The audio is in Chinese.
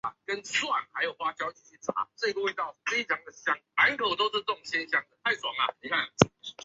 为索利斯提亚公爵家三兄妹就读的学校由德鲁萨西斯公爵经营的商会。